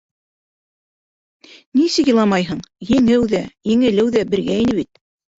Нисек иламайһың, еңеү ҙә, еңелеү ҙә бергә ине бит...